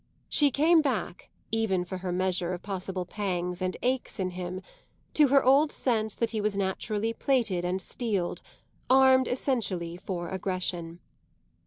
She came back, even for her measure of possible pangs and aches in him, to her old sense that he was naturally plated and steeled, armed essentially for aggression.